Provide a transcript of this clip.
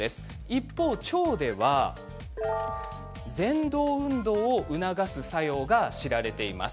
一方、腸ではぜん動運動を促す作用が知られています。